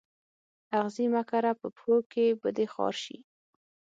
آغزي مه کره په پښو کي به دي خار سي